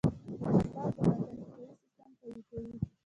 چارمغز د بدن دفاعي سیستم قوي کوي.